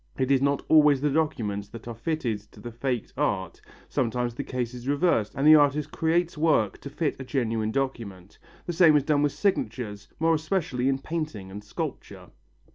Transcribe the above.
It is not always the documents that are fitted to the faked art, sometimes the case is reversed and the artist creates work to fit a genuine document. The same is done with signatures, more especially in painting and sculpture.